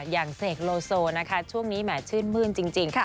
เสกโลโซนะคะช่วงนี้แหมชื่นมื้นจริง